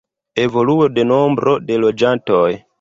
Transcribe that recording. Evoluo de nombro de loĝantoj.